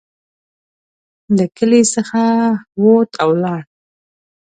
له کلي څخه ووت او ولاړ.